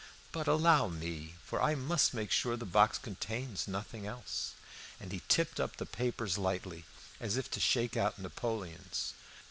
"But allow me, for I must make sure the box contains nothing else." And he tipped up the papers lightly, as if to shake out napoleons.